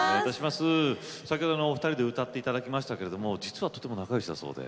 先ほど、お二人で歌っていただきましたけど実はとても仲よしだそうで。